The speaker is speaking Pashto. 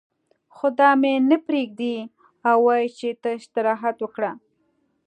خو دا مې نه پرېږدي او وايي چې ته استراحت وکړه.